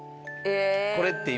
これって。